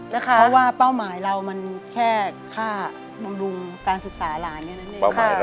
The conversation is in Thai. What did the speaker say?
เพราะว่าเป้าหมายเรามันแค่ค่าบำรุงการศึกษาหลานแค่นั้นเอง